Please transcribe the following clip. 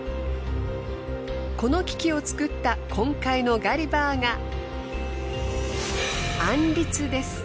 この機器を作った今回のガリバーが。